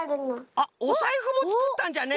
あっおさいふもつくったんじゃね。